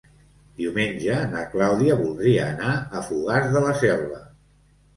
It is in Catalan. Diumenge na Clàudia voldria anar a Fogars de la Selva.